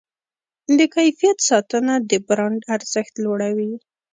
د کیفیت ساتنه د برانډ ارزښت لوړوي.